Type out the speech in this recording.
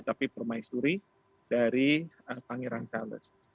tapi permaisuri dari pangeran charles